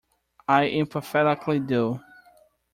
I emphatically do.